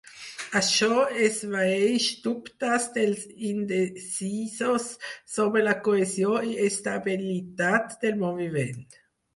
Això esvaeix dubtes dels indecisos sobre la cohesió i estabilitat del moviment.